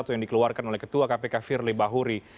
yang dikeluarkan oleh ketua kpk firly bahuri